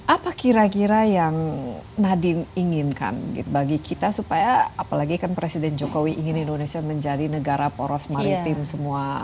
apa kira kira yang nadiem inginkan bagi kita supaya apalagi kan presiden jokowi ingin indonesia menjadi negara poros maritim semua